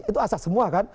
itu asas semua kan